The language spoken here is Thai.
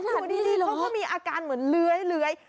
ลงไปไหมคาดนี้หรอเป็นยังมีอาการเหมือนเลื้อย